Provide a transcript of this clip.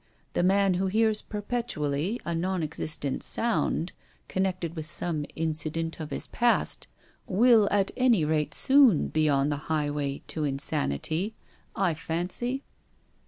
The man who hears perpetually a non existent sound connected with some incident of his past will at any rate soon be on the highway to insanity, I fancy."